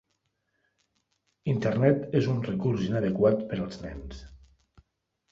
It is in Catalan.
Internet és un recurs inadequat per als nens.